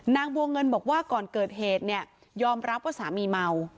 นางบัวเงินบอกว่าก่อนเกิดเหตุเนี่ยยอมรับว่าสามีเมา